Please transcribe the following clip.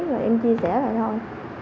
rồi em chia sẻ lại thôi